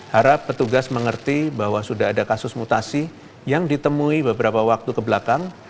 harap petugas mengerti bahwa sudah ada kasus mutasi yang ditemui beberapa waktu kebelakang